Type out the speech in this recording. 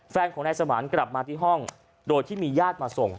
แฟนของนายสมานกลับมาที่ห้องโดยที่มีญาติมาส่ง